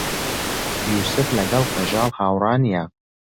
یووسف لەگەڵ کەژاڵ هاوڕا نییە.